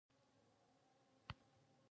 طالبانو ځینې کورنۍ ته مالي مرستې برابرې کړي.